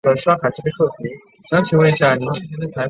红磡站。